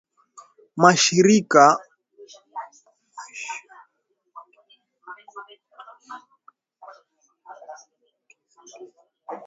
mashariki mwa Kongo tangu miaka ya elfu moja mia tisa tisini